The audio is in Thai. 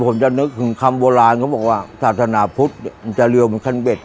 ผมจะนึกถึงคำโบราณเขาบอกว่าศาสนาพุทธมันจะเรียวเหมือนคันเบ็ด